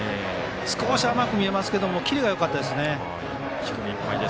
少し甘く見えますけどキレがよかったですね。